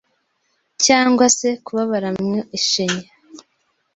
cyangwa se kubabara mu ishinya